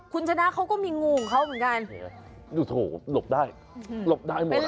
คุณชนะก็มีงูเหมือนกัน